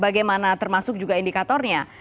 bagaimana termasuk juga indikatornya